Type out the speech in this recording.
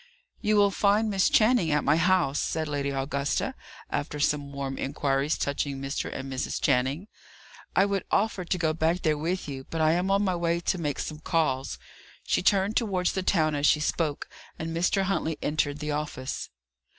"You will find Miss Channing at my house," said Lady Augusta, after some warm inquiries touching Mr. and Mrs. Channing. "I would offer to go back there with you, but I am on my way to make some calls." She turned towards the town as she spoke, and Mr. Huntley entered the office.